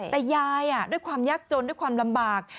แต่ยายด้วยความยากจนด้วยความลำบาก